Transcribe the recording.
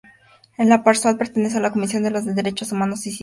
En el Parlasur pertenece a la Comisión de Derechos Humanos y Ciudadanía.